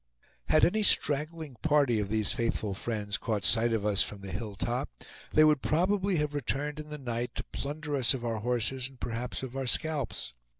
Had any straggling party of these faithful friends caught sight of us from the hill top, they would probably have returned in the night to plunder us of our horses and perhaps of our scalps.